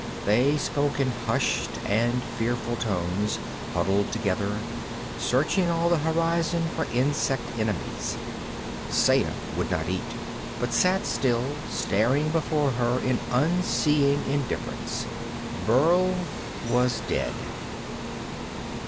They spoke in hushed and fearful tones, huddled together, searching all the horizon for insect enemies. Saya would not eat, but sat still, staring before her in unseeing indifference. Burl was dead.